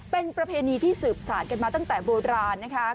เป็นประเพณีที่สืบสารกันมาตั้งแต่โบราณนะคะ